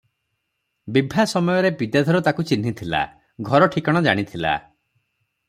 ବିଭା ସମୟରେ ବିଦ୍ୟାଧର ତାକୁ ଚିହ୍ନିଥିଲା, ଘର ଠିକଣା ଜାଣିଥିଲା ।